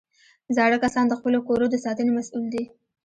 زاړه کسان د خپلو کورو د ساتنې مسؤل دي